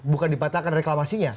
bukan dibatalkan reklamasinya